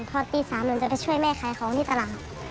พอตี๓หนูจะไปช่วยแม่ขายของที่ตลาด